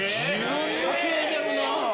稼いでるなぁ！